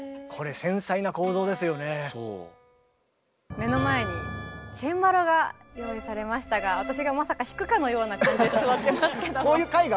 目の前にチェンバロが用意されましたが私がまさか弾くかのような感じで座ってますけども。